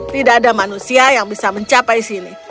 tidak ada manusia yang bisa mencapai sini